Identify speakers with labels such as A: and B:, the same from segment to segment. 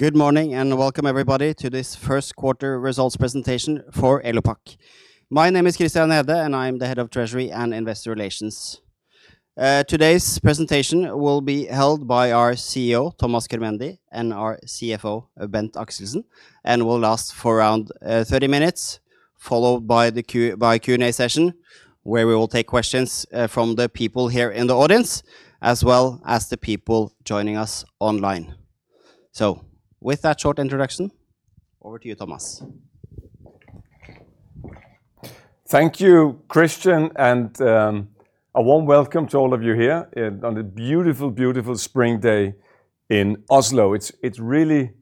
A: Good morning, and welcome everybody to this first quarter results presentation for Elopak. My name is Christian Gjerde, and I'm the Head of Treasury and Investor Relations. Today's presentation will be held by our CEO, Thomas Körmendi, and our CFO, Bent Axelsen, and will last for around 30 minutes, followed by the Q&A session, where we will take questions from the people here in the audience, as well as the people joining us online. With that short introduction, over to you, Thomas.
B: Thank you, Christian, and a warm welcome to all of you here on a beautiful spring day in Oslo. It's really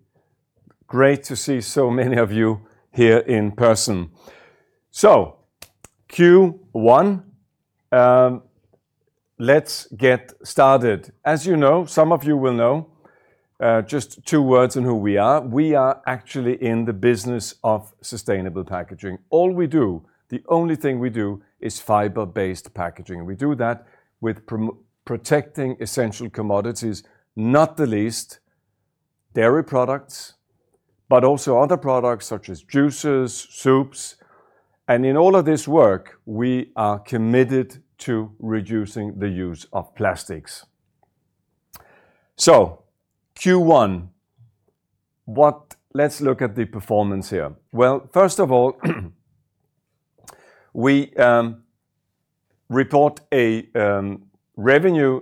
B: great to see so many of you here in person. Q1, let's get started. As you know, some of you will know, just two words on who we are. We are actually in the business of sustainable packaging. All we do, the only thing we do, is fiber-based packaging. We do that with protecting essential commodities, not the least dairy products, but also other products such as juices, soups. In all of this work, we are committed to reducing the use of plastics. Q1, let's look at the performance here. Well, first of all, we report a revenue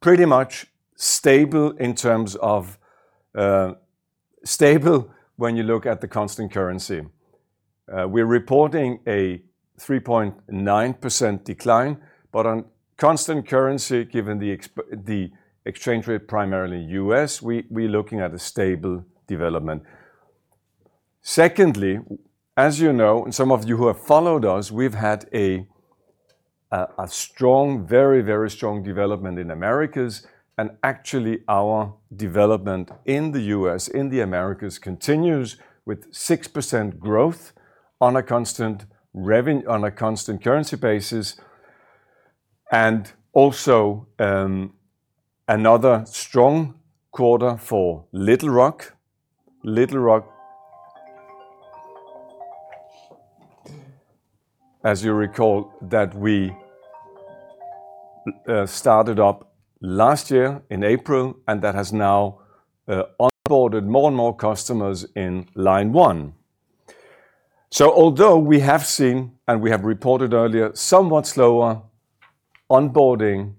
B: pretty much stable in terms of stable when you look at the constant currency. We're reporting a 3.9% decline. On constant currency, given the exchange rate, primarily U.S., we're looking at a stable development. Secondly, as you know, and some of you who have followed us, we've had a strong, very strong development in Americas, and actually our development in the U.S., in the Americas continues with 6% growth on a constant currency basis, and also another strong quarter for Little Rock. Little Rock, as you recall, that we started up last year in April, and that has now onboarded more and more customers in line 1. Although we have seen, and we have reported earlier, somewhat slower onboarding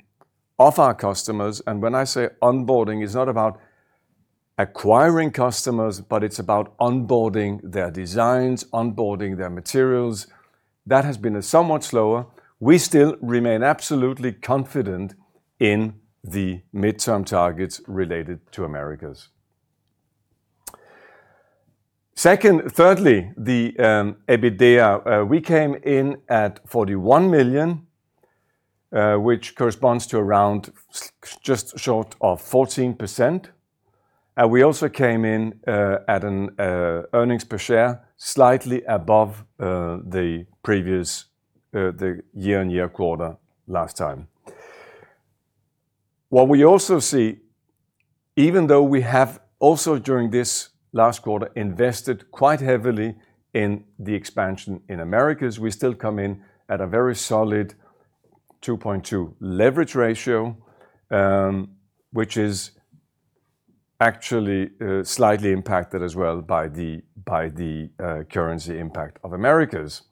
B: of our customers, and when I say onboarding, it's not about acquiring customers, but it's about onboarding their designs, onboarding their materials. That has been somewhat slower. We still remain absolutely confident in the midterm targets related to Americas. Thirdly, the EBITDA, we came in at 41 million, which corresponds to around just short of 14%. We also came in at an earnings per share slightly above the previous year-on-year quarter last time. What we also see, even though we have also during this last quarter invested quite heavily in the expansion in Americas, we still come in at a very solid 2.2 leverage ratio, which is actually slightly impacted as well by the currency impact of Americas.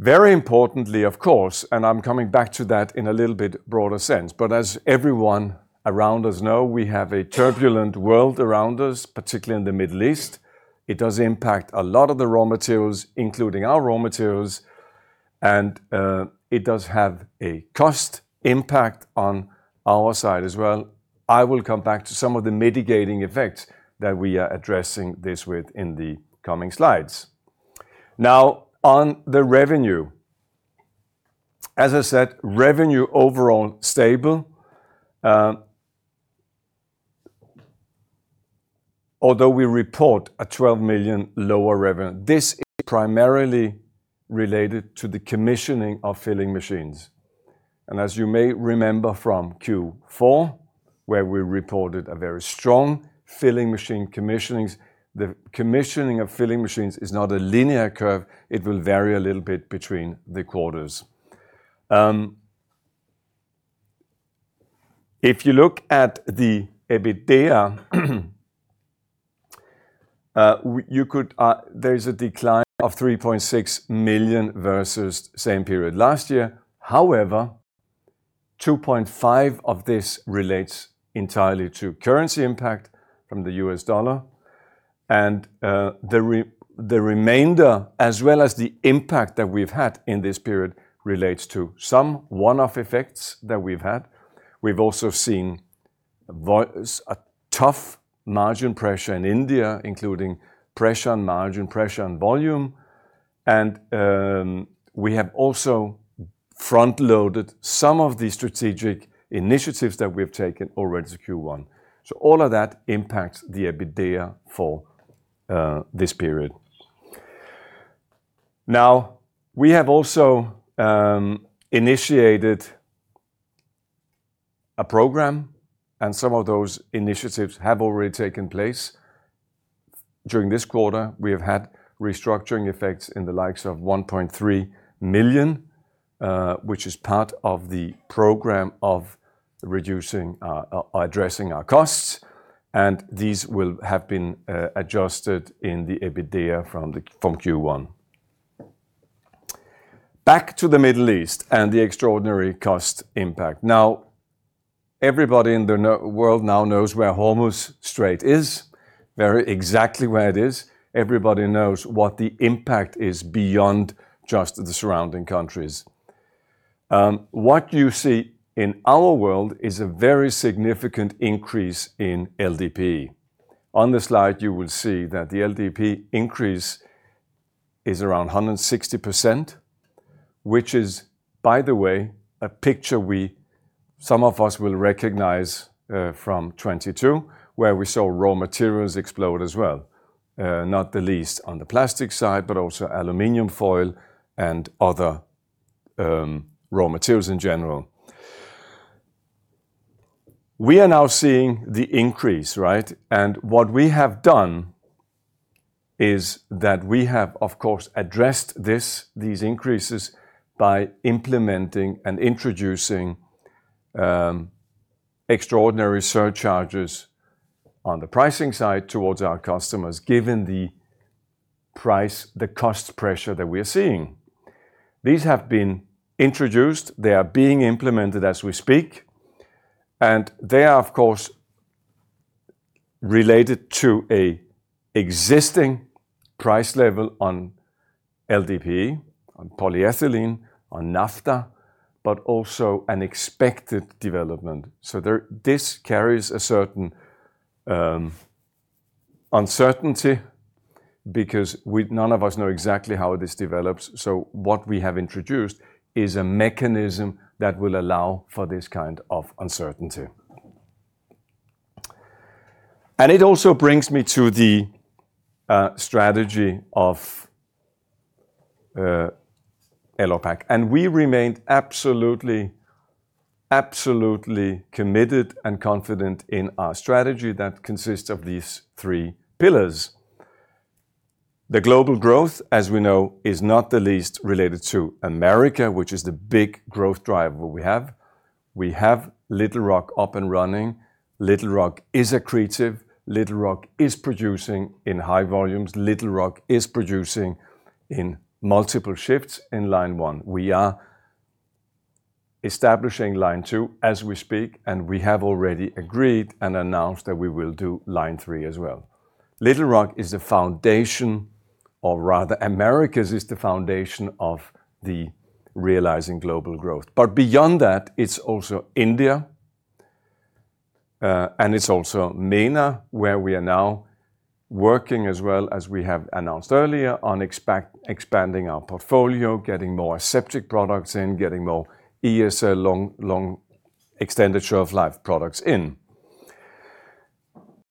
B: Very importantly, of course, I'm coming back to that in a little bit broader sense, as everyone around us know, we have a turbulent world around us, particularly in the Middle East. It does impact a lot of the raw materials, including our raw materials, and it does have a cost impact on our side as well. I will come back to some of the mitigating effects that we are addressing this with in the coming slides. On the revenue. As I said, revenue overall stable, although we report a 12 million lower revenue. This is primarily related to the commissioning of filling machines. As you may remember from Q4, where we reported a very strong filling machine commissionings, the commissioning of filling machines is not a linear curve. It will vary a little bit between the quarters. If you look at the EBITDA, you could, there is a decline of 3.6 million versus same period last year. 2.5 of this relates entirely to currency impact from the US dollar, the remainder, as well as the impact that we've had in this period, relates to some one-off effects that we've had. We've also seen a tough margin pressure in India, including pressure on margin, pressure on volume, we have also front-loaded some of the strategic initiatives that we've taken already to Q1. All of that impacts the EBITDA for this period. We have also initiated a program and some of those initiatives have already taken place. During this quarter, we have had restructuring effects in the likes of 1.3 million, which is part of the program of reducing our addressing our costs, and these will have been adjusted in the EBITDA from Q1. Back to the Middle East and the extraordinary cost impact. Everybody in the world now knows where the Strait of Hormuz is, very exactly where it is. Everybody knows what the impact is beyond just the surrounding countries. What you see in our world is a very significant increase in LDPE. On the slide, you will see that the LDPE increase is around 160%, which is, by the way, a picture some of us will recognize from 2022, where we saw raw materials explode as well, not the least on the plastic side, but also aluminum foil and other raw materials in general. We are now seeing the increase, right? What we have done is that we have, of course, addressed this, these increases by implementing and introducing extraordinary surcharges on the pricing side towards our customers, given the price, the cost pressure that we're seeing. These have been introduced, they are being implemented as we speak, and they are, of course, related to an existing price level on LDPE, on polyethylene, on naphtha, but also an expected development. This carries a certain uncertainty because none of us know exactly how this develops. What we have introduced is a mechanism that will allow for this kind of uncertainty. It also brings me to the strategy of Elopak. We remained absolutely committed and confident in our strategy that consists of these three pillars. The global growth, as we know, is not the least related to Americas, which is the big growth driver we have. We have Little Rock up and running. Little Rock is accretive. Little Rock is producing in high volumes. Little Rock is producing in multiple shifts in line one. We are establishing line two as we speak, and we have already agreed and announced that we will do line three as well. Little Rock is the foundation, or rather, Americas is the foundation of the realizing global growth. Beyond that, it's also India, and it's also MENA, where we are now working as well as we have announced earlier on expanding our portfolio, getting more aseptic products in, getting more ESL long extended shelf life products in.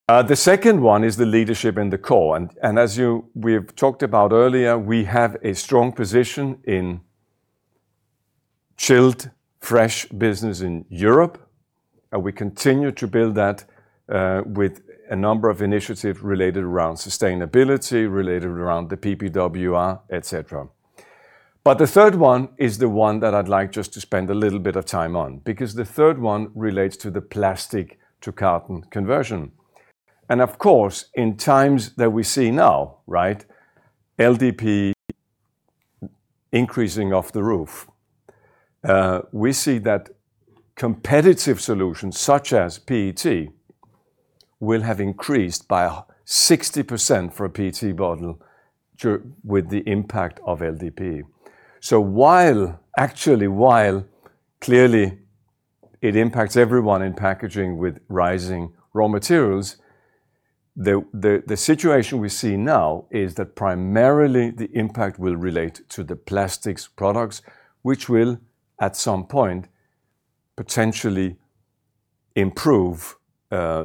B: The second one is the leadership in the core. As we've talked about earlier, we have a strong position in chilled fresh business in Europe. We continue to build that with a number of initiatives related around sustainability, related around the PPWR, et cetera. The third one is the one that I'd like just to spend a little bit of time on because the third one relates to the plastic to carton conversion. Of course, in times that we see now, right, LDPE increasing off the roof, we see that competitive solutions such as PET will have increased by 60% for a PET bottle with the impact of LDPE. While, actually, while clearly it impacts everyone in packaging with rising raw materials, the situation we see now is that primarily the impact will relate to the plastics products, which will at some point potentially improve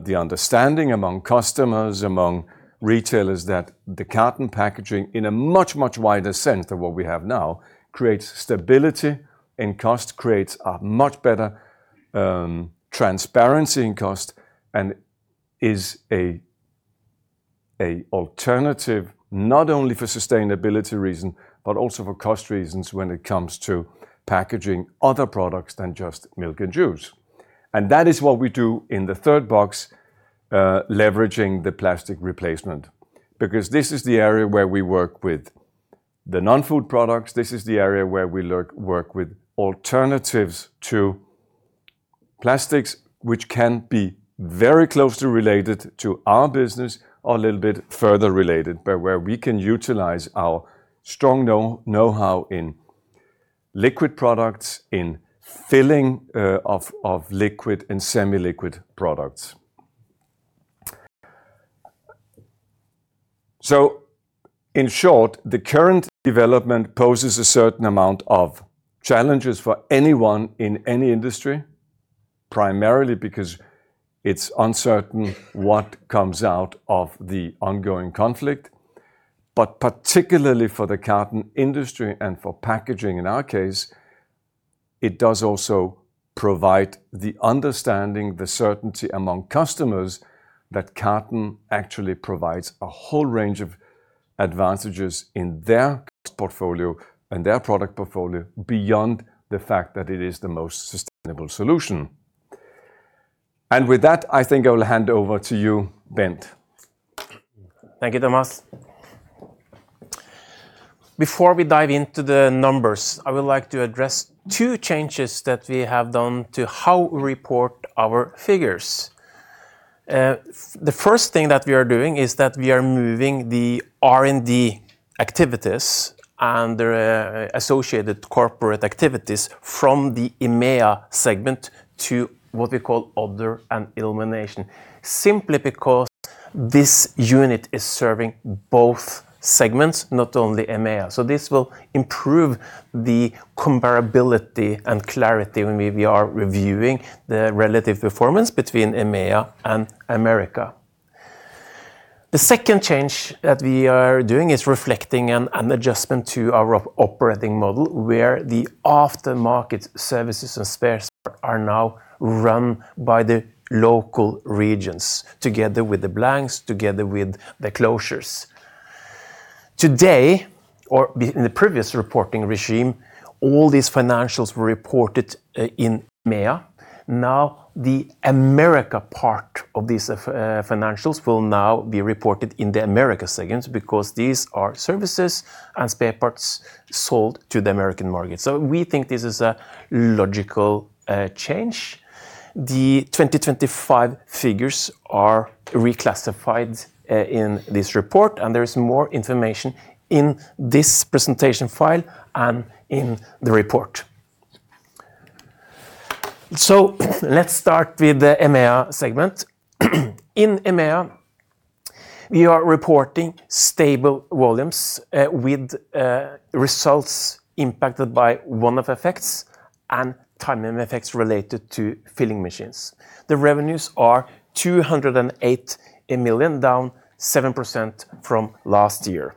B: the understanding among customers, among retailers that the carton packaging in a much, much wider sense than what we have now, creates stability in cost, creates a much better transparency in cost, and is a alternative not only for sustainability reason, but also for cost reasons when it comes to packaging other products than just milk and juice. That is what we do in the third box, leveraging the plastic replacement, because this is the area where we work with the non-food products. This is the area where we work with alternatives to plastics, which can be very closely related to our business or a little bit further related, but where we can utilize our strong know-how in liquid products, in filling of liquid and semi-liquid products. In short, the current development poses a certain amount of challenges for anyone in any industry. Primarily because it's uncertain what comes out of the ongoing conflict, but particularly for the carton industry and for packaging in our case, it does also provide the understanding, the certainty among customers that carton actually provides a whole range of advantages in their portfolio and their product portfolio beyond the fact that it is the most sustainable solution. With that, I think I will hand over to you, Bent.
C: Thank you, Thomas. Before we dive into the numbers, I would like to address two changes that we have done to how we report our figures. The first thing that we are doing is that we are moving the R&D activities and their associated corporate activities from the EMEA segment to what we call Other and Elimination, simply because this unit is serving both segments, not only EMEA. This will improve the comparability and clarity when we are reviewing the relative performance between EMEA and America. The second change that we are doing is reflecting an adjustment to our operating model, where the aftermarket services and spares are now run by the local regions, together with the blanks, together with the closures. Today, or in the previous reporting regime, all these financials were reported in EMEA. The Americas part of these financials will now be reported in the Americas segments because these are services and spare parts sold to the Americas market. We think this is a logical change. The 2025 figures are reclassified in this report, and there is more information in this presentation file and in the report. Let's start with the EMEA segment. In EMEA, we are reporting stable volumes with results impacted by one-off effects and timing effects related to filling machines. The revenues are 208 million, down 7% from last year.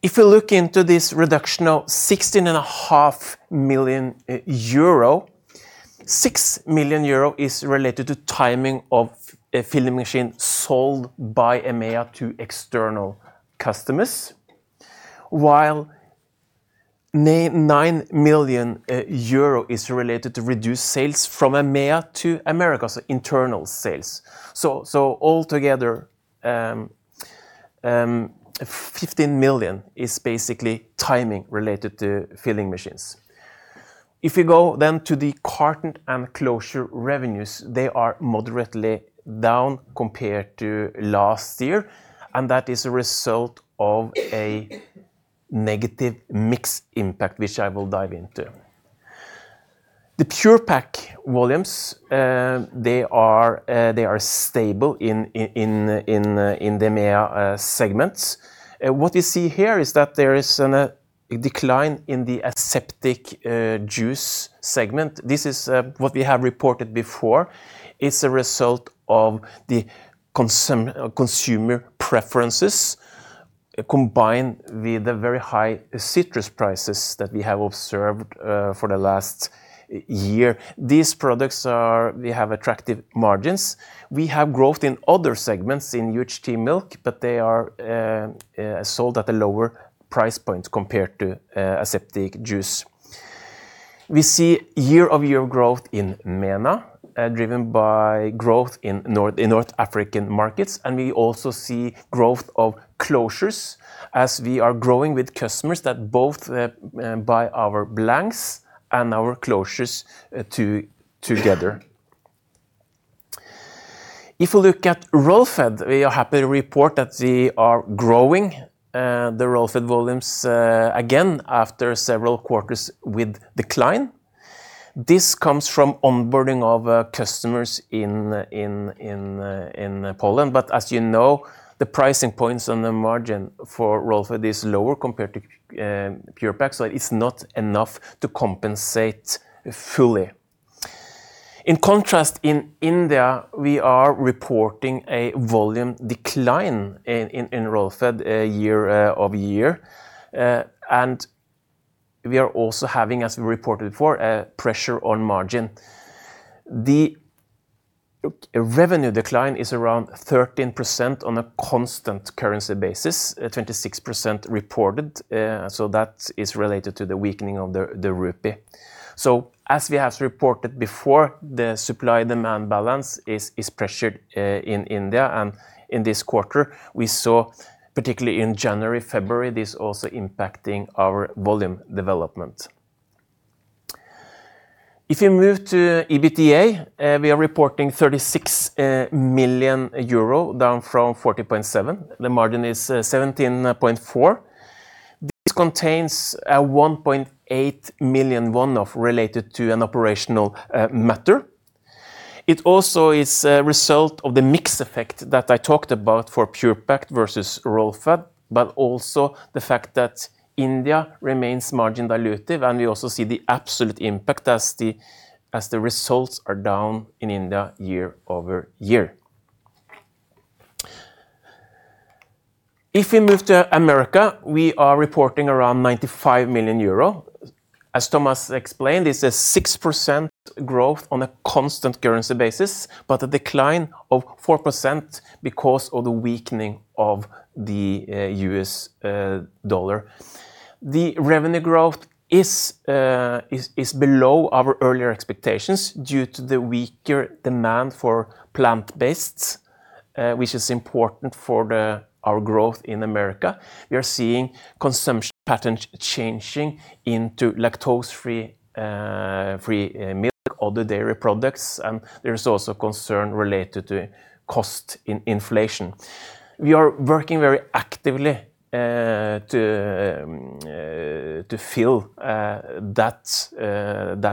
C: If you look into this reduction of 16.5 million euro, 6 million euro is related to timing of a filling machine sold by EMEA to external customers, while 9 million euro is related to reduced sales from EMEA to Americas, so internal sales. Altogether, 15 million is basically timing related to filling machines. If you go to the carton and closure revenues, they are moderately down compared to last year, and that is a result of a negative mix impact, which I will dive into. The Pure-Pak volumes, they are stable in the EMEA segments. What you see here is that there is a decline in the aseptic juice segment. This is what we have reported before. It's a result of the consumer preferences combined with the very high citrus prices that we have observed for the last year. We have attractive margins. We have growth in other segments in UHT milk, they are sold at a lower price point compared to aseptic juice. We see year-over-year growth in MENA, driven by growth in North African markets, we also see growth of closures as we are growing with customers that both buy our blanks and our closures together. If we look at Roll Fed, we are happy to report that we are growing the Roll Fed volumes again after several quarters with decline. This comes from onboarding of customers in Poland, but as you know, the pricing points on the margin for Roll Fed is lower compared to Pure-Pak, so it's not enough to compensate fully. In contrast, in India, we are reporting a volume decline in Roll Fed year-over-year. We are also having, as we reported before, a pressure on margin. The revenue decline is around 13% on a constant currency basis, 26% reported, so that is related to the weakening of the rupee. As we have reported before, the supply-demand balance is pressured in India, and in this quarter, we saw, particularly in January, February, this also impacting our volume development. If you move to EBITDA, we are reporting 36 million euro, down from 40.7. The margin is 17.4%. This contains 1.8 million one-off related to an operational matter. It also is a result of the mix effect that I talked about for Pure-Pak versus Roll Fed, but also the fact that India remains margin dilutive, and we also see the absolute impact as the results are down in India year-over-year. If we move to America, we are reporting around 95 million euro. As Thomas explained, it's a 6% growth on a constant currency basis, but a decline of 4% because of the weakening of the U.S. dollar. The revenue growth is below our earlier expectations due to the weaker demand for plant-based, which is important for our growth in America. We are seeing consumption patterns changing into lactose-free milk, other dairy products, and there is also concern related to cost inflation. We are working very actively to fill that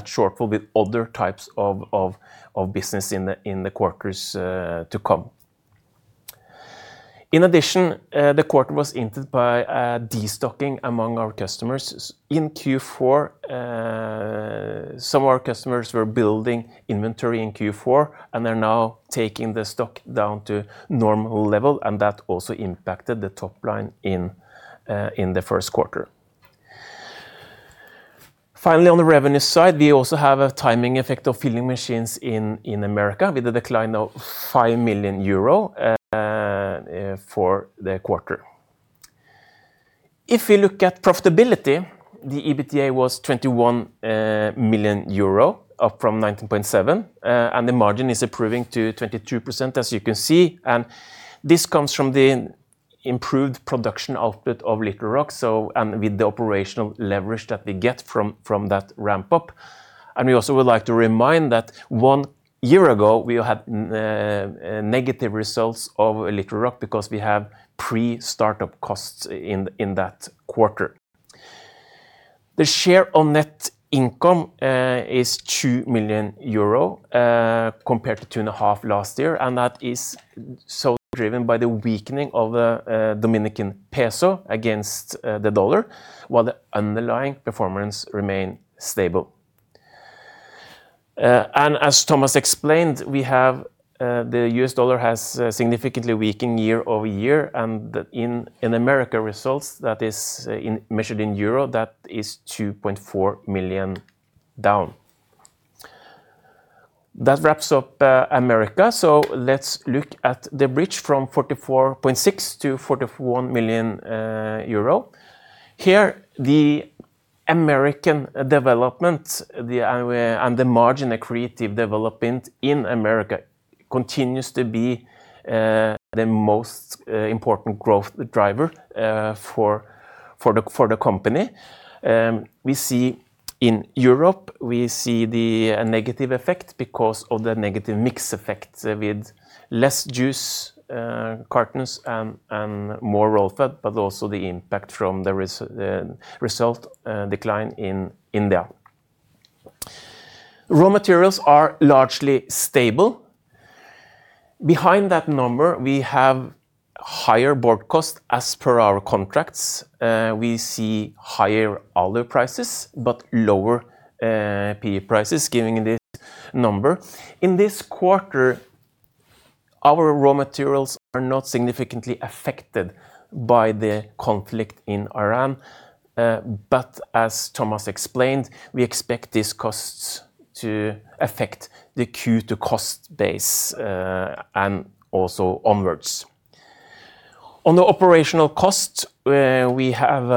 C: shortfall with other types of business in the quarters to come. In addition, the quarter was impacted by destocking among our customers. In Q4, some of our customers were building inventory in Q4. They're now taking the stock down to normal level. That also impacted the top line in the first quarter. Finally, on the revenue side, we also have a timing effect of filling machines in America with a decline of 5 million euro for the quarter. If we look at profitability, the EBITDA was 21 million euro up from 19.7. The margin is improving to 22%, as you can see. This comes from the improved production output of Little Rock, with the operational leverage that we get from that ramp-up. We also would like to remind that one year ago, we had negative results of Little Rock because we have pre-startup costs in that quarter. The share on net income is 2 million euro compared to 2.5 million last year, that is so driven by the weakening of the Dominican peso against the U.S. dollar, while the underlying performance remain stable. As Thomas explained, we have the U.S. dollar has significantly weakened year-over-year, and in America results that is measured in euro, that is 2.4 million down. That wraps up America, so let's look at the bridge from 44.6 to 41 million euro. Here, the American development and the margin accretive development in America continues to be the most important growth driver for the company. In Europe, we see the negative effect because of the negative mix effect with less juice cartons and more Roll Fed, but also the impact from the result decline in India. Raw materials are largely stable. Behind that number, we have higher board cost as per our contracts. We see higher Alu prices, but lower PE prices giving this number. In this quarter, our raw materials are not significantly affected by the conflict in Iran, but as Thomas explained, we expect these costs to affect the Q2 cost base and also onwards. On the operational costs, we have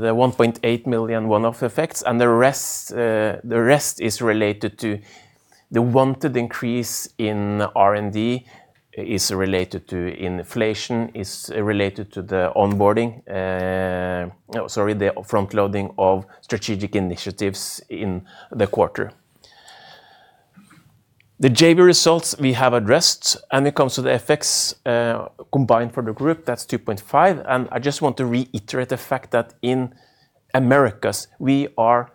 C: the 1.8 million one-off effects, and the rest is related to the wanted increase in R&D, is related to inflation, is related to the onboarding, the frontloading of strategic initiatives in the quarter. The JV results we have addressed, and when it comes to the FX, combined for the group, that's 2.5, and I just want to reiterate the fact that in Americas, we are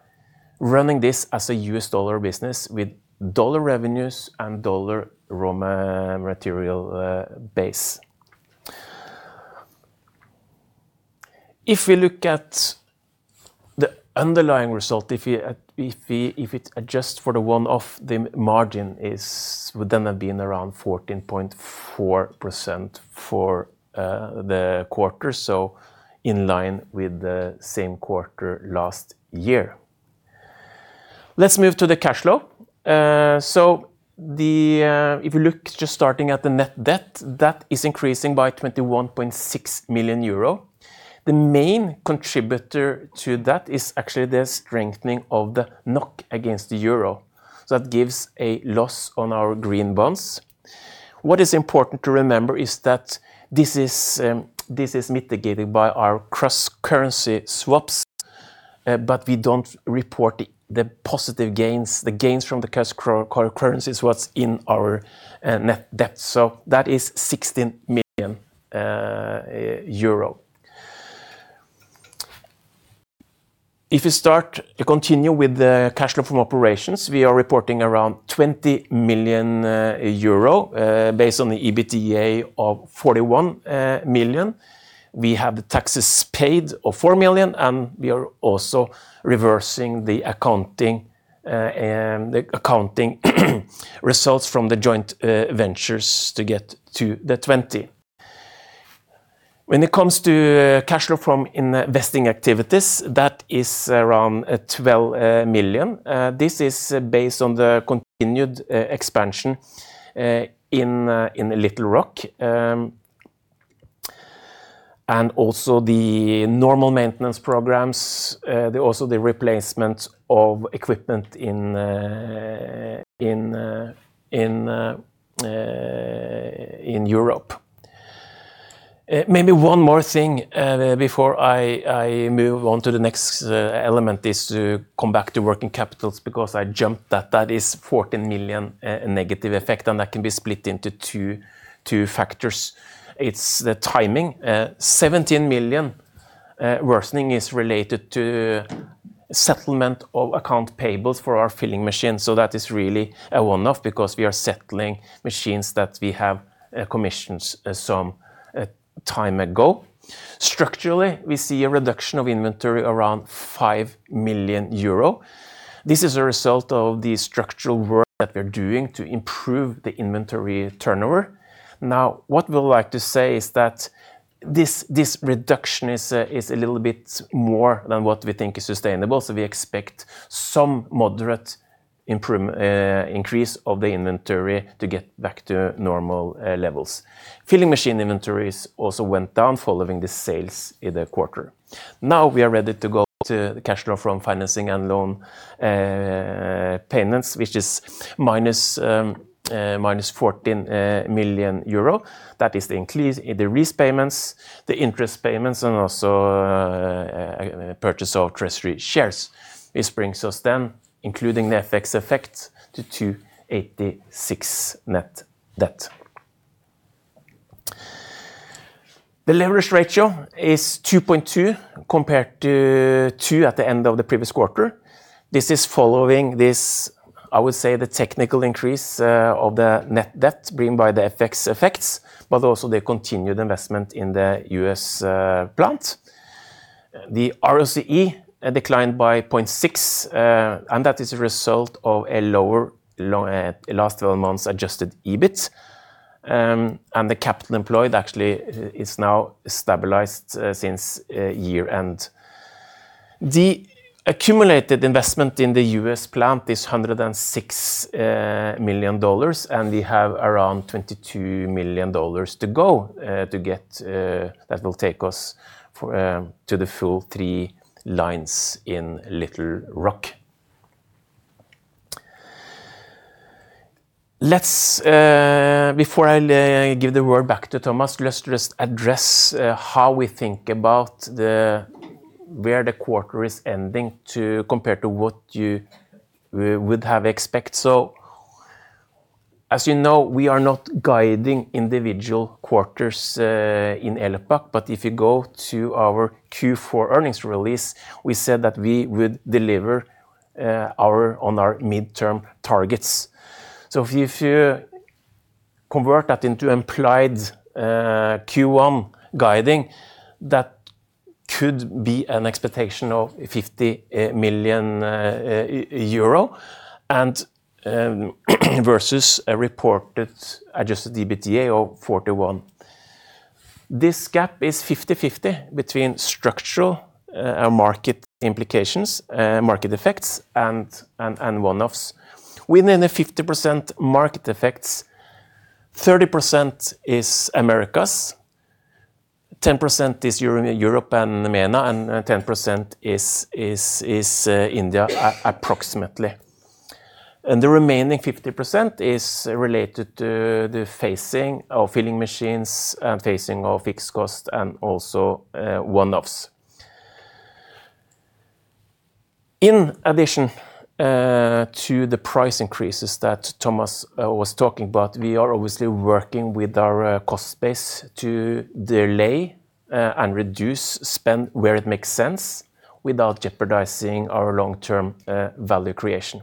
C: running this as a US dollar business with dollar revenues and dollar raw material base. If we look at the underlying result, if it adjusts for the one-off, the margin would then have been around 14.4% for the quarter, so in line with the same quarter last year. Let's move to the cash flow. If you look just starting at the net debt, that is increasing by 21.6 million euro. The main contributor to that is actually the strengthening of the NOK against the euro. That gives a loss on our green bonds. What is important to remember is that this is mitigated by our cross-currency swaps, but we don't report the positive gains, the gains from the cross-currencies, what's in our net debt. That is 16 million euro. If you start to continue with the cash flow from operations, we are reporting around 20 million euro based on the EBITDA of 41 million. We have the taxes paid of 4 million, and we are also reversing the accounting results from the joint ventures to get to the 20. When it comes to cash flow from investing activities, that is around 12 million. This is based on the continued expansion in Little Rock. And also the normal maintenance programs, the also the replacement of equipment in Europe. Maybe one more thing before I move on to the next element is to come back to working capitals because I jumped that. That is 14 million negative effect. That can be split into two factors. It's the timing. 17 million worsening is related to settlement of account payables for our filling machines. That is really a one-off because we are settling machines that we have commissioned some time ago. Structurally, we see a reduction of inventory around 5 million euro. This is a result of the structural work that we're doing to improve the inventory turnover. Now, what we would like to say is that this reduction is a little bit more than what we think is sustainable. We expect some moderate increase of the inventory to get back to normal levels. Filling machine inventories also went down following the sales in the quarter. We are ready to go to the cash flow from financing and loan payments, which is minus 14 million euro. That is the increase in the lease payments, the interest payments, and also purchase of treasury shares. This brings us, including the FX effect, to 286 net debt. The leverage ratio is 2.2 compared to 2 at the end of the previous quarter. This is following this technical increase of the net debt brought by the FX effects, but also the continued investment in the U.S. plant. The ROCE declined by 0.6, and that is a result of a lower last 12 months adjusted EBIT. The capital employed actually is now stabilized since year-end. The accumulated investment in the U.S. plant is $106 million, and we have around $22 million to go to get that will take us to the full three lines in Little Rock. Before I give the word back to Thomas, let's just address how we think about where the quarter is ending compared to what you would have expect. As you know, we are not guiding individual quarters in Elopak, but if you go to our Q4 earnings release, we said that we would deliver on our midterm targets. If you convert that into implied Q1 guiding, that could be an expectation of 50 million euro and versus a reported adjusted EBITDA of 41 million. This gap is 50/50 between structural market implications, market effects and one-offs. Within the 50% market effects, 30% is Americas, 10% is Europe and MENA, and 10% is India approximately. The remaining 50% is related to the phasing of filling machines, phasing of fixed cost and also one-offs. In addition, to the price increases that Thomas was talking about, we are obviously working with our cost base to delay and reduce spend where it makes sense without jeopardizing our long-term value creation.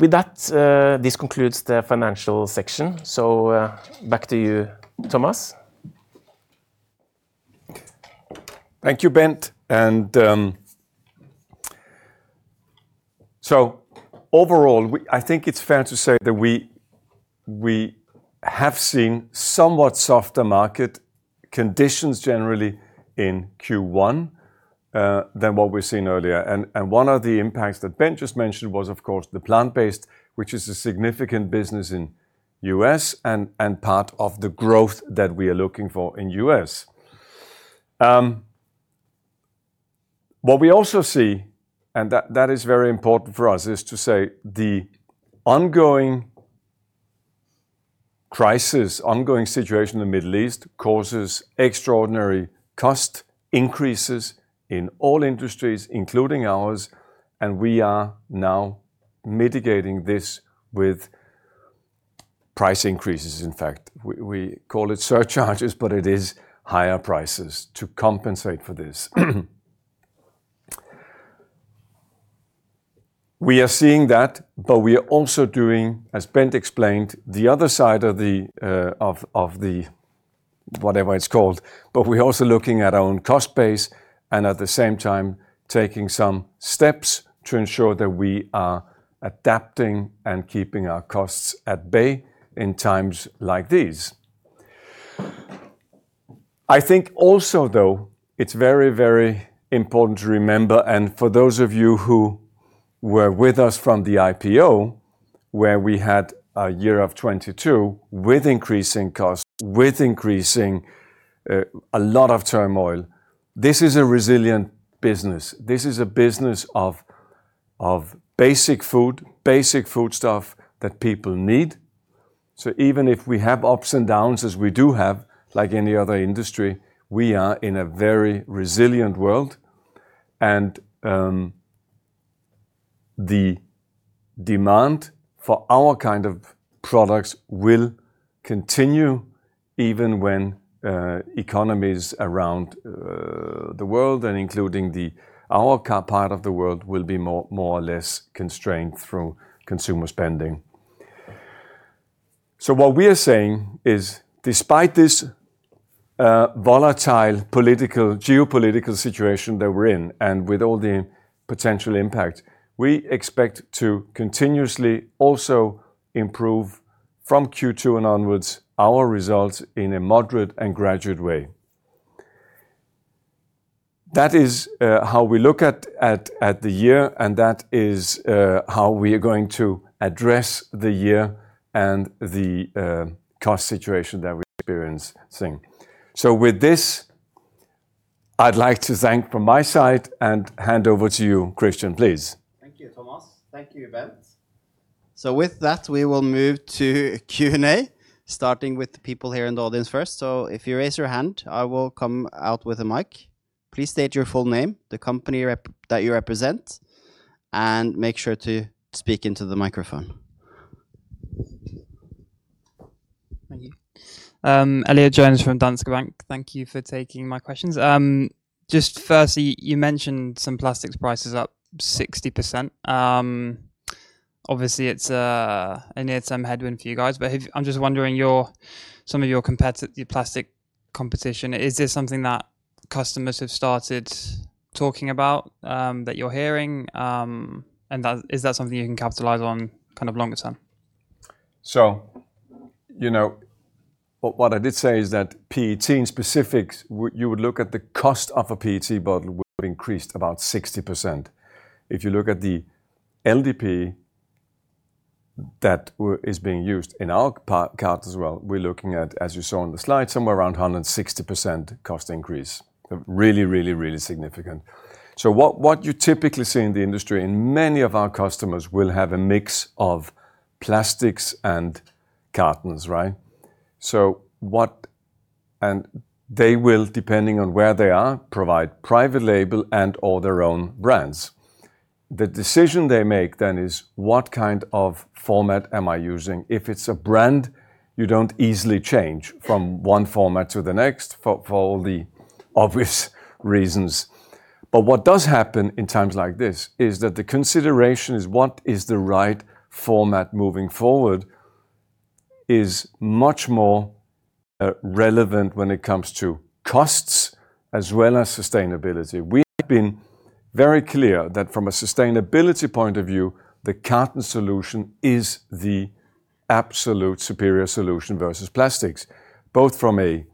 C: With that, this concludes the financial section. Back to you, Thomas.
B: Thank you, Bent. Overall, I think it's fair to say that we have seen somewhat softer market conditions generally in Q1 than what we've seen earlier. And one of the impacts that Bent just mentioned was, of course, the plant-based, which is a significant business in U.S. and part of the growth that we are looking for in U.S. What we also see, and that is very important for us, is to say the ongoing crisis, ongoing situation in the Middle East causes extraordinary cost increases in all industries, including ours, and we are now mitigating this with price increases, in fact. We call it surcharges, but it is higher prices to compensate for this. We are seeing that, but we are also doing, as Bent explained, the other side of the, of the, whatever it's called. We're also looking at our own cost base and at the same time taking some steps to ensure that we are adapting and keeping our costs at bay in times like these. I think also, though, it's very, very important to remember, and for those of you who were with us from the IPO, where we had a year of 2022 with increasing costs, with increasing a lot of turmoil, this is a resilient business. This is a business of basic food, basic foodstuff that people need. Even if we have ups and downs, as we do have, like any other industry, we are in a very resilient world. The demand for our kind of products will continue even when economies around the world and including the part of the world will be more or less constrained through consumer spending. What we are saying is despite this volatile political, geopolitical situation that we're in, and with all the potential impact, we expect to continuously also improve from Q2 and onwards our results in a moderate and graduate way. That is how we look at the year, and that is how we are going to address the year and the cost situation that we're experiencing. With this, I'd like to thank from my side and hand over to you, Christian, please.
A: Thank you, Thomas. Thank you, Bent. With that, we will move to Q&A, starting with the people here in the audience first. If you raise your hand, I will come out with a mic. Please state your full name, the company that you represent, and make sure to speak into the microphone.
D: Thank you. Elliott Jones from Danske Bank. Thank you for taking my questions. Just firstly, you mentioned some plastics prices up 60%. Obviously it's a near-term headwind for you guys. I'm just wondering your, some of your plastic competition, is this something that customers have started talking about that you're hearing? Is that something you can capitalize on kind of longer term?
B: You know, what I did say is that PET in specific, you would look at the cost of a PET bottle would have increased about 60%. If you look at the LDPE that is being used in our cartons as well, we're looking at, as you saw on the slide, somewhere around 160% cost increase. Really significant. What you typically see in the industry, and many of our customers will have a mix of plastics and cartons, right? They will, depending on where they are, provide private label and/or their own brands. The decision they make then is, "What kind of format am I using?" If it's a brand, you don't easily change from one format to the next, for all the obvious reasons. What does happen in times like this is that the consideration is what is the right format moving forward is much more relevant when it comes to costs as well as sustainability. We have been very clear that from a sustainability point of view, the carton solution is the absolute superior solution versus plastics, both from a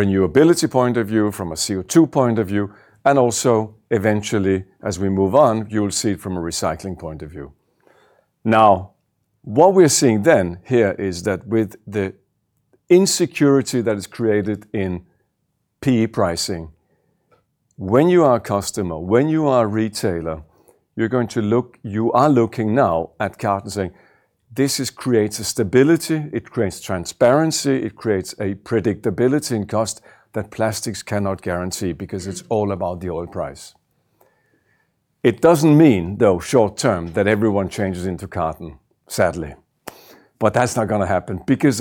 B: renewability point of view, from a CO2 point of view, and also eventually, as we move on, you'll see it from a recycling point of view. What we're seeing here is that with the insecurity that is created in PE pricing, when you are a customer, when you are a retailer, you are looking now at carton saying, "This is creates a stability, it creates transparency, it creates a predictability in cost that plastics cannot guarantee, because it's all about the oil price." It doesn't mean, though, short term, that everyone changes into carton, sadly. That's not gonna happen because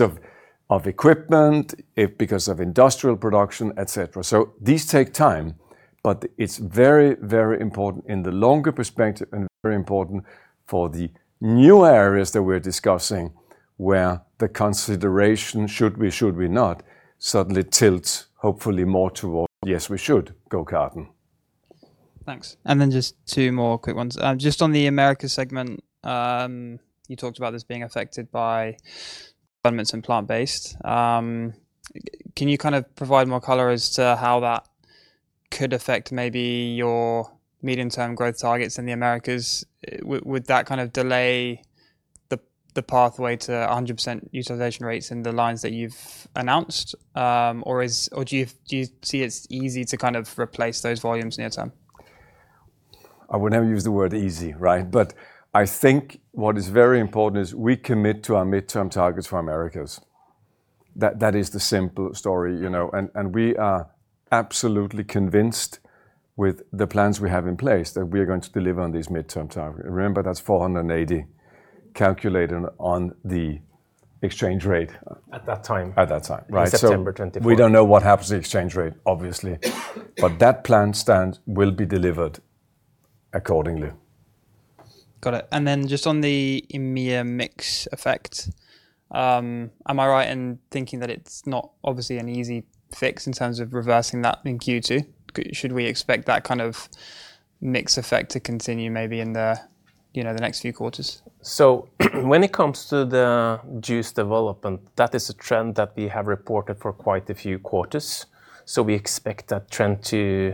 B: of equipment, because of industrial production, et cetera. These take time, but it's very, very important in the longer perspective and very important for the new areas that we're discussing where the consideration should we, should we not suddenly tilts, hopefully more towards, "Yes, we should go carton.
D: Thanks. Just two more quick ones. Just on the Americas segment, you talked about this being affected by garments and plant-based. Can you kind of provide more color as to how that could affect maybe your medium-term growth targets in the Americas? Would that kind of delay the pathway to 100% utilization rates in the lines that you've announced? Or do you see it's easy to kind of replace those volumes near term?
B: I would never use the word easy, right? I think what is very important is we commit to our midterm targets for Americas. That is the simple story, you know. We are absolutely convinced with the plans we have in place that we are going to deliver on these midterm targets. Remember, that's 480 calculated on the exchange rate.
C: At that time.
B: At that time, right.
C: In September 2024.
B: We don't know what happens to the exchange rate, obviously. That plan still will be delivered accordingly.
D: Got it. Just on the EMEA mix effect, am I right in thinking that it's not obviously an easy fix in terms of reversing that in Q2? Should we expect that kind of mix effect to continue maybe in the, you know, the next few quarters?
C: When it comes to the juice development, that is a trend that we have reported for quite a few quarters. We expect that trend to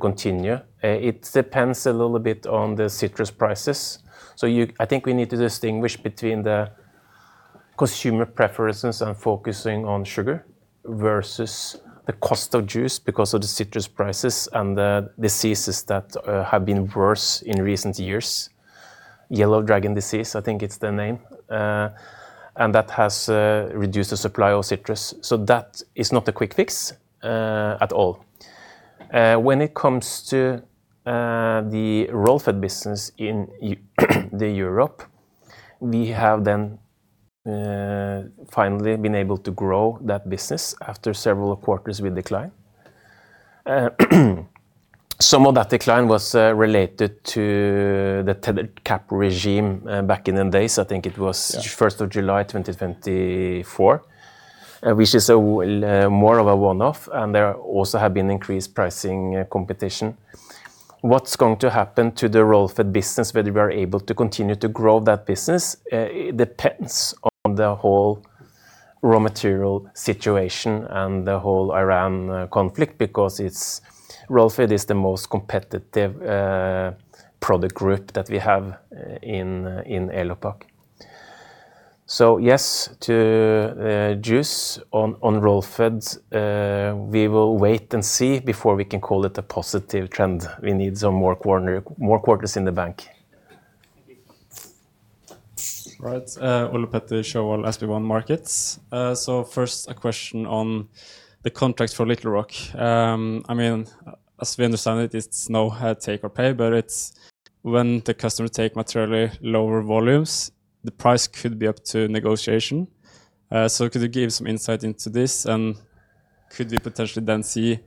C: continue. It depends a little bit on the citrus prices. I think we need to distinguish between the consumer preferences and focusing on sugar versus the cost of juice because of the citrus prices and the diseases that have been worse in recent years. Yellow dragon disease, I think it's the name. That has reduced the supply of citrus. That is not a quick fix at all. When it comes to the Roll Fed business in the Europe, we have then finally been able to grow that business after several quarters with decline. Some of that decline was related to the tethered cap regime, back in them days.
B: Yeah
C: 1st of July 2024, which is more of a one-off, and there also have been increased pricing competition. What's going to happen to the Roll Fed business, whether we are able to continue to grow that business, it depends on the whole raw material situation and the whole Iran conflict because Roll Fed is the most competitive product group that we have in Elopak. Yes to juice. On Roll Fed, we will wait and see before we can call it a positive trend. We need some more quarters in the bank.
D: Thank you.
E: Right. Ole-Petter Sjøvold, SB1 Markets. First a question on the contracts for Little Rock. I mean, as we understand it's no take or pay, but it's when the customer take materially lower volumes, the price could be up to negotiation. Could you give some insight into this, and could we potentially then see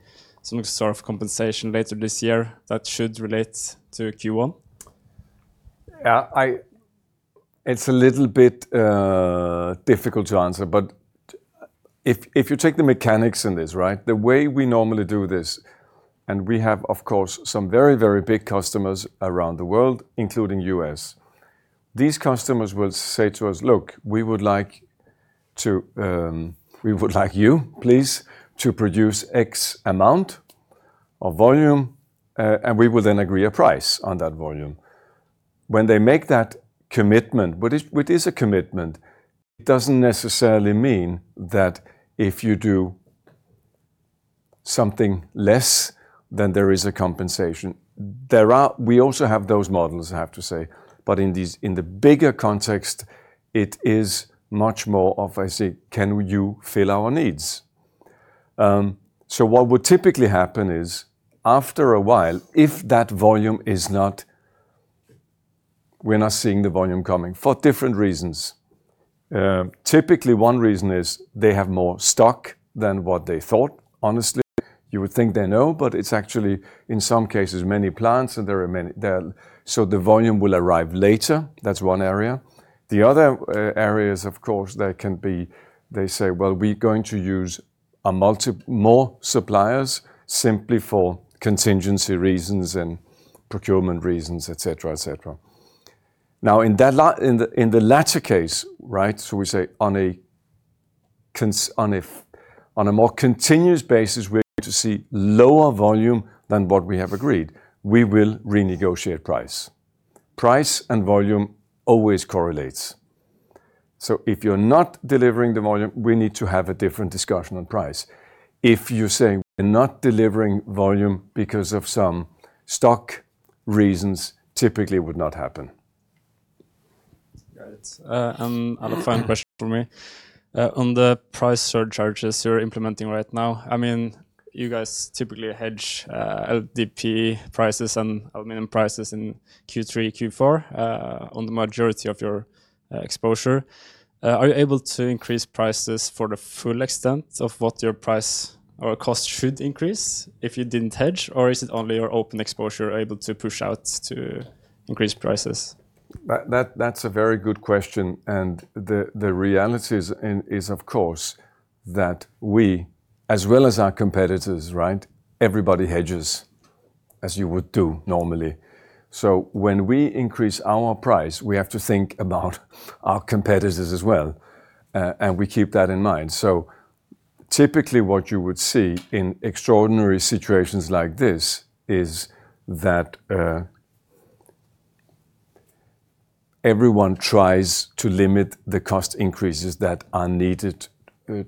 E: some sort of compensation later this year that should relate to Q1?
B: Yeah, I It's a little bit difficult to answer. If you take the mechanics in this, right? The way we normally do this, we have, of course, some very, very big customers around the world, including U.S. These customers will say to us, "Look, we would like to, we would like you, please, to produce X amount of volume," and we will then agree a price on that volume. When they make that commitment, which is a commitment, it doesn't necessarily mean that if you do something less, then there is a compensation. We also have those models, I have to say. In these, in the bigger context, it is much more of, I say, "Can you fill our needs?" What would typically happen is, after a while, if we're not seeing the volume coming for different reasons. Typically one reason is they have more stock than what they thought. Honestly, you would think they know, it's actually in some cases many plants, and there are many. So the volume will arrive later. That's one area. The other areas, of course, there can be, they say, "Well, we're going to use more suppliers simply for contingency reasons and procurement reasons," et cetera, et cetera. In the latter case, right? We say on a more continuous basis, we're going to see lower volume than what we have agreed. We will renegotiate price. Price and volume always correlates. If you're not delivering the volume, we need to have a different discussion on price. If you're saying we're not delivering volume because of some stock reasons, typically would not happen.
E: Got it. I have a final question for me. On the price surcharges you're implementing right now, I mean, you guys typically hedge LDPE prices and aluminum prices in Q3, Q4, on the majority of your exposure. Are you able to increase prices for the full extent of what your price or cost should increase if you didn't hedge, or is it only your open exposure you're able to push out to increase prices?
B: That's a very good question. The reality is, of course, that we, as well as our competitors, right? Everybody hedges as you would do normally. When we increase our price, we have to think about our competitors as well, and we keep that in mind. Typically, what you would see in extraordinary situations like this is that everyone tries to limit the cost increases that are needed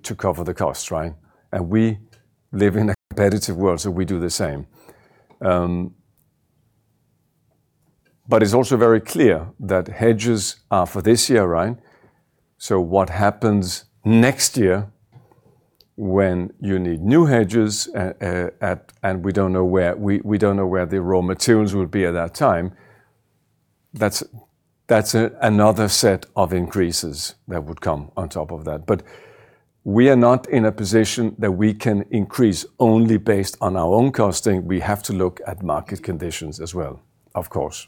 B: to cover the costs, right? We live in a competitive world, we do the same. It's also very clear that hedges are for this year, right? What happens next year when you need new hedges, and we don't know where the raw materials will be at that time. That's another set of increases that would come on top of that. We are not in a position that we can increase only based on our own costing. We have to look at market conditions as well, of course.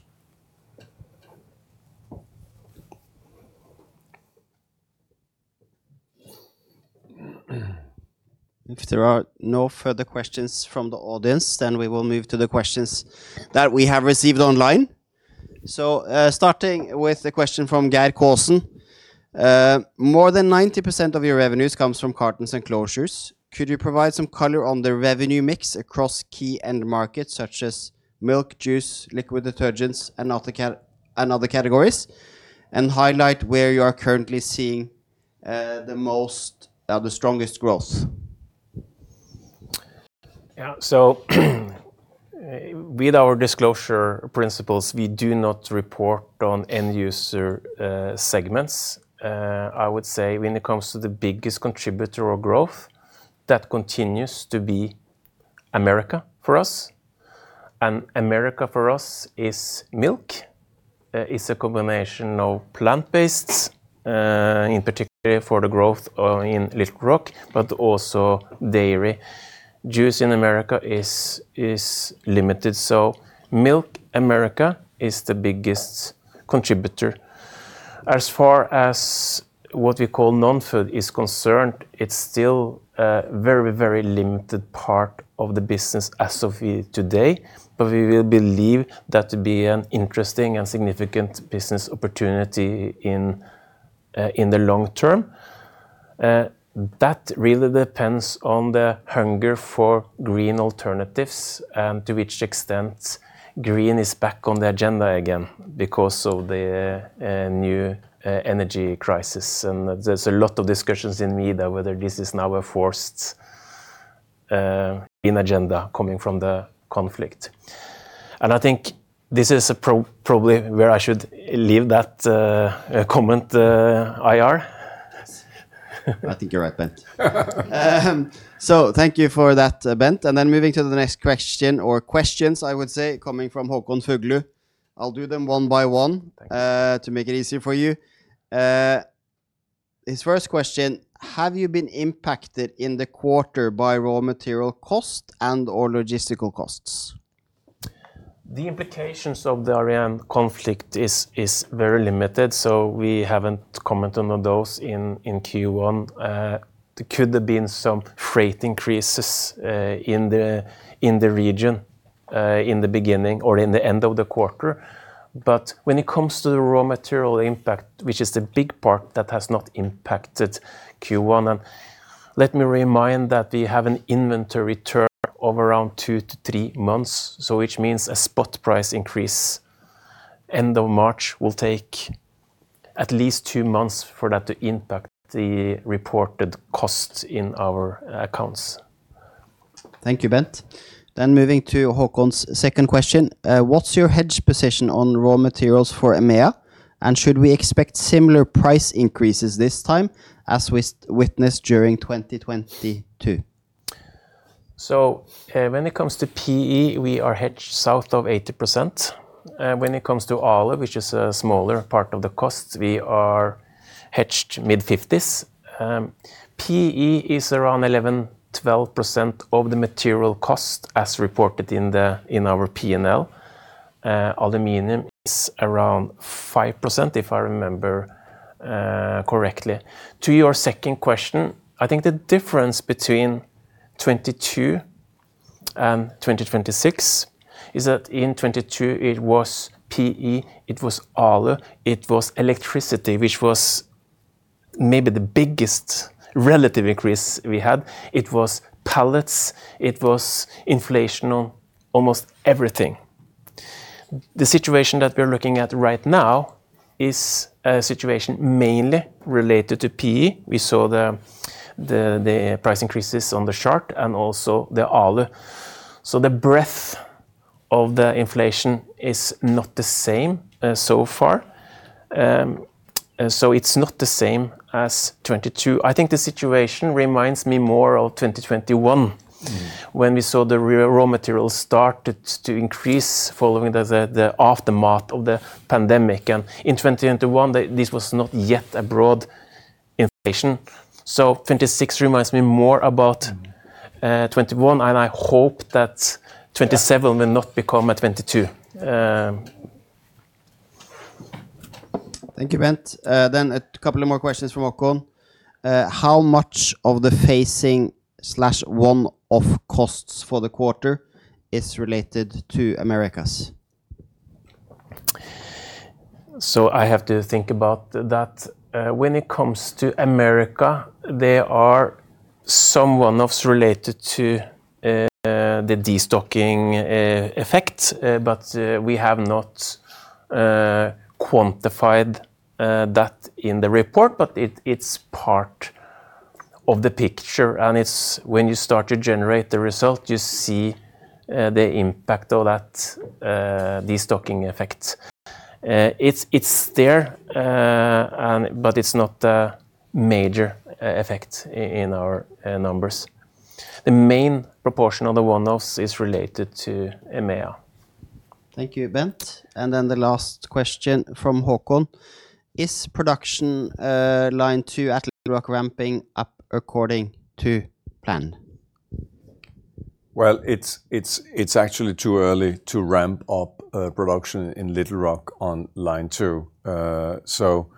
A: If there are no further questions from the audience, then we will move to the questions that we have received online. Starting with the question from Gary Colson. More than 90% of your revenues comes from cartons and closures. Could you provide some color on the revenue mix across key end markets such as milk, juice, liquid detergents, and other categories, and highlight where you are currently seeing the most, the strongest growth?
C: Yeah. With our disclosure principles, we do not report on end user segments. I would say when it comes to the biggest contributor or growth, that continues to be America for us, and America for us is milk. It's a combination of plant-based, in particular for the growth in Little Rock, but also dairy. Juice in America is limited. Milk America is the biggest contributor. As far as what we call non-food is concerned, it's still a very, very limited part of the business as of today. We will believe that to be an interesting and significant business opportunity in the long term. That really depends on the hunger for green alternatives, to which extent green is back on the agenda again because of the new energy crisis. There's a lot of discussions in media whether this is now a forced green agenda coming from the conflict. I think this is probably where I should leave that comment, IR.
A: I think you are right, Bent. Thank you for that, Bent. Moving to the next question or questions, I would say, coming from Håkon Fuglu. I'll do them one by one.
C: Thank you.
A: To make it easier for you. His first question: Have you been impacted in the quarter by raw material cost and/or logistical costs?
C: The implications of the RM conflict is very limited, so we haven't commented on those in Q1. There could have been some freight increases in the region in the beginning or in the end of the quarter. When it comes to the raw material impact, which is the big part that has not impacted Q1, let me remind that we have an inventory turn of around two to three months. Which means a spot price increase end of March will take at least two months for that to impact the reported costs in our accounts.
A: Thank you, Bent. Moving to Håkon's second question. What's your hedge position on raw materials for EMEA? Should we expect similar price increases this time as we witnessed during 2022?
C: When it comes to PE, we are hedged south of 80%. When it comes to Alu, which is a smaller part of the cost, we are hedged mid-fifties. PE is around 11%, 12% of the material cost as reported in our P&L. Aluminum is around 5%, if I remember correctly. To your second question, I think the difference between 2022 and 2026 is that in 2022 it was PE, it was Alu, it was electricity, which was maybe the biggest relative increase we had. It was pallets, it was inflation on almost everything. The situation that we're looking at right now is a situation mainly related to PE. We saw the price increases on the chart and also the Alu. The breadth of the inflation is not the same so far. It's not the same as 2022. I think the situation reminds me more of 2021 when we saw the raw materials started to increase following the aftermath of the pandemic. In 2021, this was not yet a broad inflation. 2026 reminds me more about 2021, and I hope that 2027 will not become a 2022.
A: Thank you, Bent. A couple of more questions from Hokkon. How much of the phasing/one-off costs for the quarter is related to Americas?
C: I have to think about that. When it comes to America, there are some one-offs related to the destocking effect. We have not quantified that in the report. It's part of the picture, it's when you start to generate the result, you see the impact of that destocking effect. It's there, but it's not a major effect in our numbers. The main proportion of the one-offs is related to EMEA.
A: Thank you, Bent. The last question from Håkon. Is production line two at Little Rock ramping up according to plan?
B: Well, it's actually too early to ramp up production in Little Rock on line two. The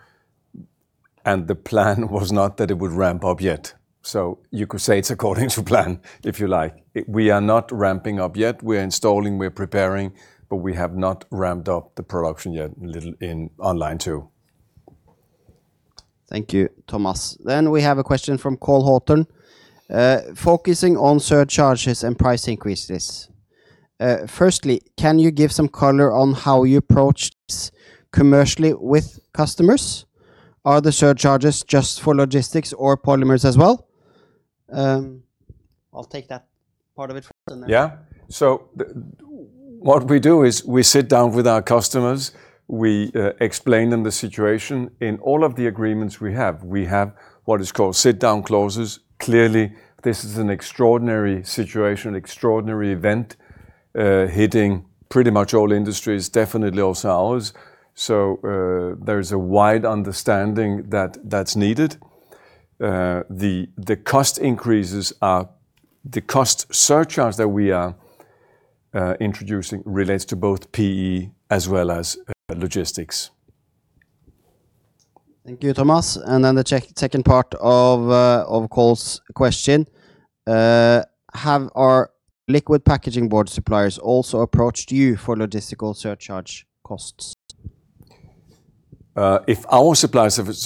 B: plan was not that it would ramp up yet. You could say it's according to plan, if you like. We are not ramping up yet. We're installing, we're preparing, but we have not ramped up the production yet on line two.
A: Thank you, Thomas. We have a question from Cole Horton. Focusing on surcharges and price increases, firstly, can you give some color on how you approach this commercially with customers? Are the surcharges just for logistics or polymers as well? I'll take that part of it first.
B: What we do is we sit down with our customers, we explain them the situation. In all of the agreements we have, we have what is called sit-down clauses. Clearly, this is an extraordinary situation, extraordinary event, hitting pretty much all industries, definitely also ours. There's a wide understanding that that's needed. The cost surcharge that we are introducing relates to both PE as well as logistics.
A: Thank you, Thomas. The second part of Cole's question. Have our liquid packaging board suppliers also approached you for logistical surcharge costs?
B: This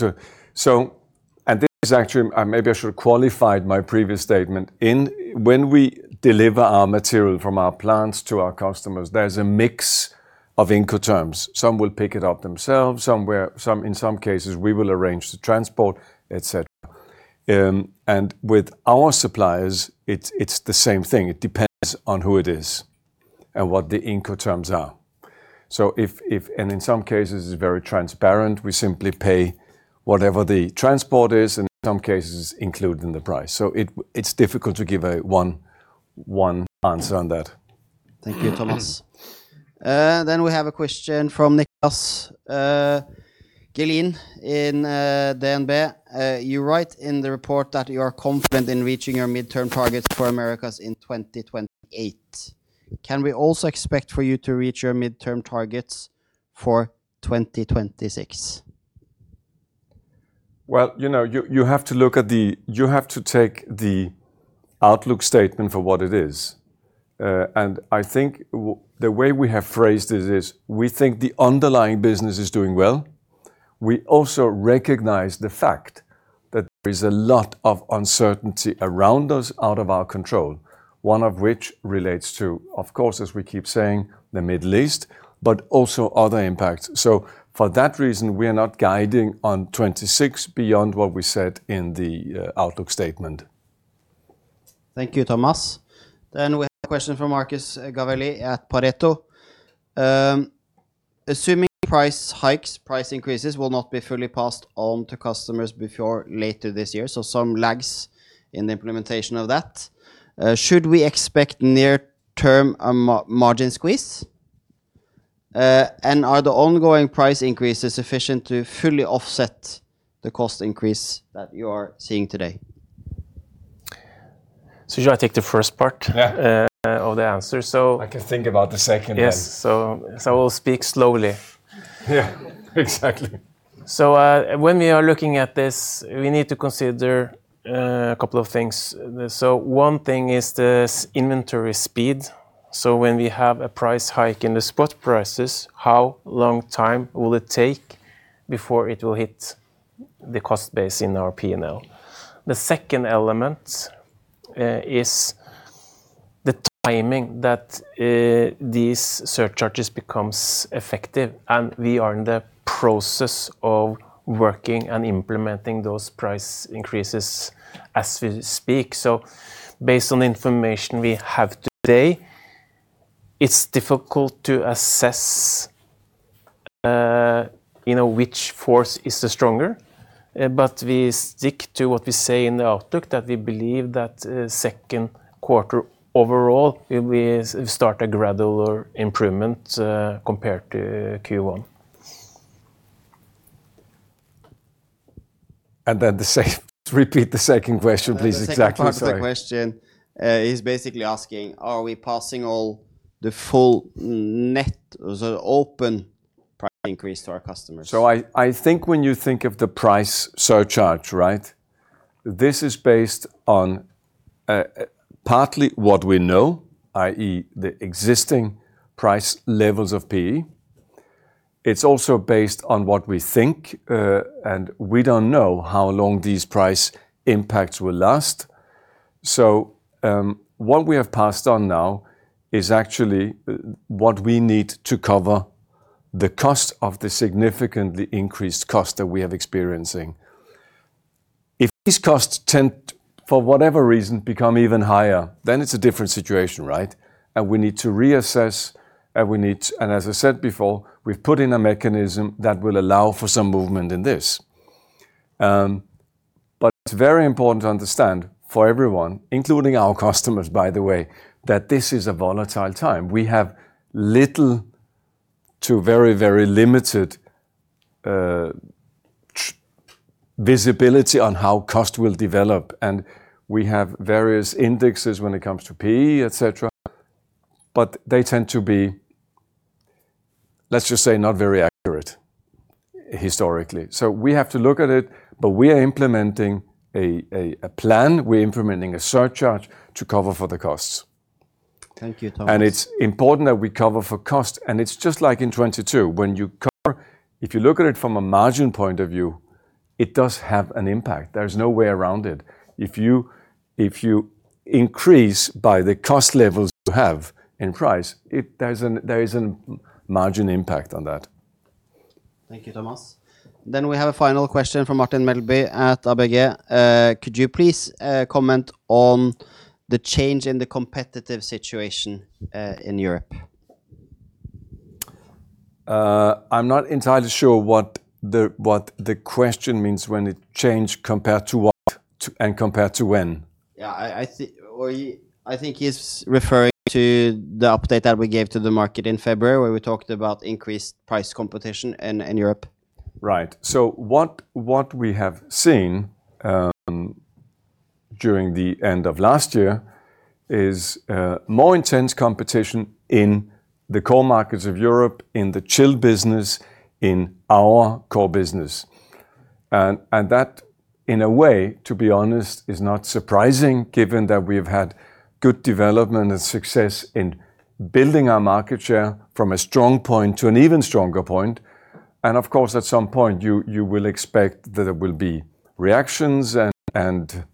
B: is actually, maybe I should have qualified my previous statement. When we deliver our material from our plants to our customers, there's a mix of Incoterms. Some will pick it up themselves, some, in some cases, we will arrange the transport, et cetera. With our suppliers, it's the same thing. It depends on who it is and what the Incoterms are. In some cases, it's very transparent. We simply pay whatever the transport is, and in some cases it's included in the price. It's difficult to give a one answer on that.
A: Thank you, Thomas. We have a question from Niklas Gelin in DNB. You write in the report that you are confident in reaching your midterm targets for Americas in 2028. Can we also expect for you to reach your midterm targets for 2026?
B: Well, you know, you have to take the outlook statement for what it is. I think the way we have phrased it is we think the underlying business is doing well. We also recognize the fact that there is a lot of uncertainty around us out of our control, one of which relates to, of course, as we keep saying, the Middle East, but also other impacts. For that reason, we are not guiding on 2026 beyond what we said in the outlook statement.
A: Thank you, Thomas. We have a question from Mikael Gavasheli at Pareto. Assuming price hikes, price increases will not be fully passed on to customers before later this year, so some lags in the implementation of that, should we expect near-term, margin squeeze? Are the ongoing price increases sufficient to fully offset the cost increase that you are seeing today?
C: Should I take the first part?
B: Yeah
C: of the answer?
B: I can think about the second then.
C: Yes. I will speak slowly.
B: Yeah. Exactly.
C: When we are looking at this, we need to consider a couple of things. One thing is this inventory speed. When we have a price hike in the spot prices, how long time will it take before it will hit the cost base in our P&L? The second element is the timing that these surcharges becomes effective, and we are in the process of working and implementing those price increases as we speak. Based on the information we have today, it's difficult to assess, you know, which force is the stronger. We stick to what we say in the outlook, that we believe that second quarter overall will start a gradual improvement compared to Q1.
B: The second, repeat the second question, please. Exactly. Sorry.
A: The second part of the question is basically asking are we passing all the full net, so open price increase to our customers?
B: I think when you think of the price surcharge, right? This is based on partly what we know, i.e., the existing price levels of PE. It's also based on what we think, and we don't know how long these price impacts will last. What we have passed on now is actually what we need to cover the cost of the significantly increased cost that we are experiencing. If these costs tend to, for whatever reason, become even higher, then it's a different situation, right? We need to reassess, and as I said before, we've put in a mechanism that will allow for some movement in this. It's very important to understand for everyone, including our customers by the way, that this is a volatile time. We have little to very limited visibility on how cost will develop, and we have various indexes when it comes to PE, et cetera. They tend to be, let's just say, not very accurate historically. We have to look at it, but we are implementing a plan. We're implementing a surcharge to cover for the costs.
A: Thank you, Thomas.
B: It's important that we cover for cost, and it's just like in 2022. When you cover, if you look at it from a margin point of view, it does have an impact. There's no way around it. If you increase by the cost levels you have in price, there is a margin impact on that.
A: Thank you, Thomas. We have a final question from Martin Melby at ABG. Could you please comment on the change in the competitive situation in Europe?
B: I'm not entirely sure what the question means when it change compared to what, to compared to when?
A: I think he's referring to the update that we gave to the market in February, where we talked about increased price competition in Europe.
B: Right. What we have seen during the end of last year is more intense competition in the core markets of Europe, in the chill business, in our core business. That, in a way, to be honest, is not surprising given that we have had good development and success in building our market share from a strong point to an even stronger point. Of course, at some point, you will expect that there will be reactions and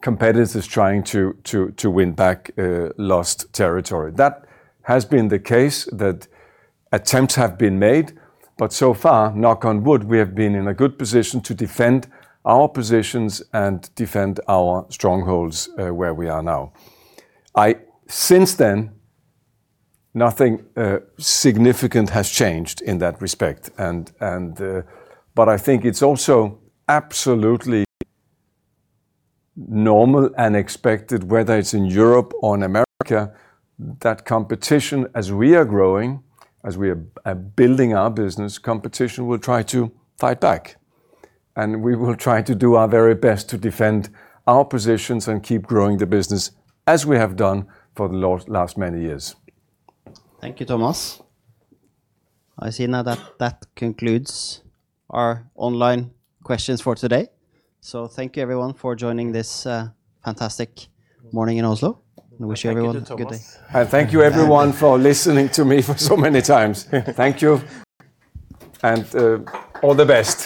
B: competitors trying to win back lost territory. That has been the case, that attempts have been made. So far, knock on wood, we have been in a good position to defend our positions and defend our strongholds where we are now. Since then, nothing significant has changed in that respect. I think it's also absolutely normal and expected, whether it's in Europe or in America, that competition, as we are growing, as we are building our business, competition will try to fight back. We will try to do our very best to defend our positions and keep growing the business as we have done for the last many years.
A: Thank you, Thomas. I see now that that concludes our online questions for today. Thank you everyone for joining this fantastic morning in Oslo.
B: Thank you.
A: Wish everyone a good day. Thank you, Thomas.
B: Thank you everyone for listening to me for so many times. Thank you, and, all the best.